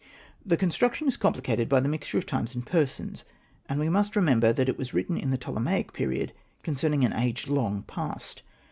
The construction is complicated by the mixture of times and persons ; and we must remember that it was written in the Ptolemaic period concerning an age long past.